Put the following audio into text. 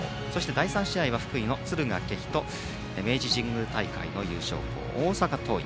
第３試合は福井の敦賀気比と明治神宮大会の優勝校大阪桐蔭。